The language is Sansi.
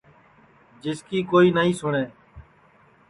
جس کی کوئی نائی سُٹؔے